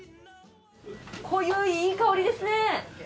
濃ゆいいい香りですね。